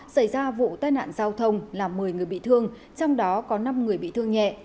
xảy ra vụ tai nạn giao thông làm một mươi người bị thương trong đó có năm người bị thương nhẹ